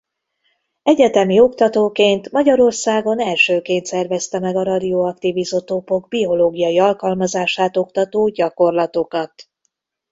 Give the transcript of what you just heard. Egyetemi oktatóként Magyarországon elsőként szervezte meg a radioaktív izotópok biológiai alkalmazását oktató gyakorlatokat.